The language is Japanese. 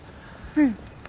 うん。